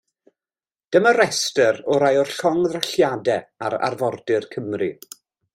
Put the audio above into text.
Dyma restr o rai o'r llongddrylliadau ar arfordir Cymru.